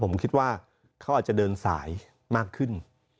ผมคิดว่าเขาอาจจะเดินสายมากขึ้น